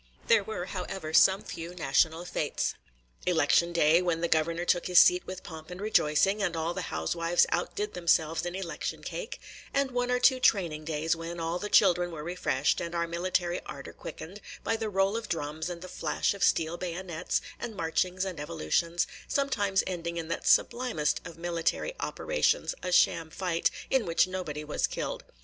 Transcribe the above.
There were, however, some few national fêtes: – Election day, when the Governor took his seat with pomp and rejoicing, and all the housewives outdid themselves in election cake, and one or two training days, when all the children were refreshed, and our military ardor quickened, by the roll of drums, and the flash of steel bayonets, and marchings and evolutions, – sometimes ending in that sublimest of military operations, a sham fight, in which nobody was killed.